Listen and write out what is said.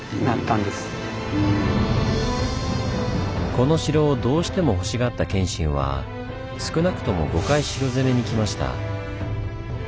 この城をどうしてもほしがった謙信は少なくとも５回城攻めに来ました。